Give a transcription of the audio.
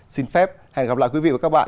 xin phép hẹn gặp lại quý vị và các bạn